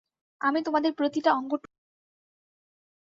আমি তোমাদের প্রতিটা অঙ্গ টুকরা টুকরা করে ফেলব।